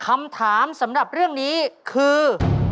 คำถามสำหรับเรื่องนี้คือ